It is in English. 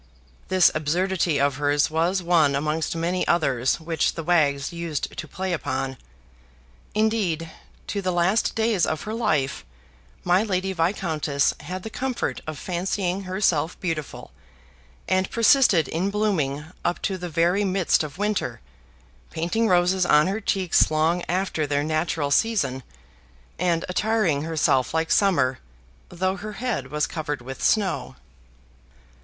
This absurdity of hers was one amongst many others which the wags used to play upon. Indeed, to the last days of her life, my Lady Viscountess had the comfort of fancying herself beautiful, and persisted in blooming up to the very midst of winter, painting roses on her cheeks long after their natural season, and attiring herself like summer though her head was covered with snow.